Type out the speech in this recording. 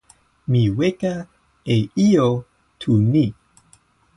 mi weka e ijo tu ni.